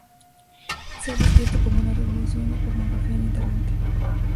Se ha descrito como una revolución la pornografía en Internet.